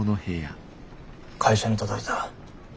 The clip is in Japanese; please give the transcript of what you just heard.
会社に届いた。